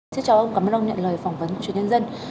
xin chào ông cảm ơn ông nhận lời phỏng vấn của truyền nhân dân